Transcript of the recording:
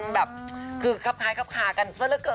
แบบคือคับคล้ายครับคากันซะละเกิน